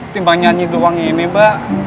ini mbak nyanyi doang ini mbak